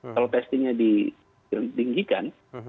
kalau testingnya ditinggikan